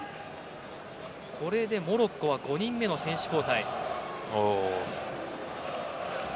これでモロッコは５人目の選手交代。